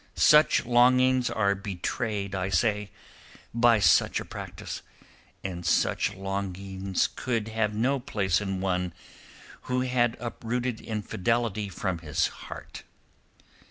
Such longings are betrayed, I say, by such a practice, and such longings could have no place in one who had uprooted infidelity from his heart.